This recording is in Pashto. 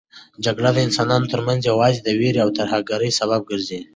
جګړه د انسانانو ترمنځ یوازې د وېرې او ترهګرۍ سبب ګرځي.